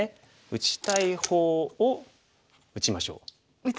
「打ちたい方を打ちましょう」？